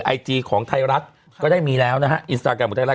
ไอจีของไทยรัฐก็ได้มีแล้วนะฮะอินสตาแกรมของไทยรัฐ